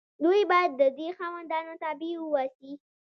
دوی باید د دې خاوندانو تابع واوسي.